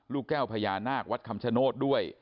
ลูกแก้วพญานาควัดคำชโนธด้วย